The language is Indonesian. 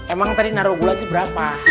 emang tadi naruh gulanya berapa